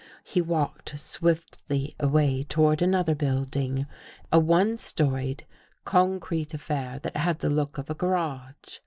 He walked swiftly away toward another building — a one storied, concrete affair that had the look of a garage.